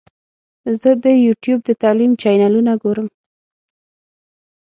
زه د یوټیوب د تعلیم چینلونه ګورم.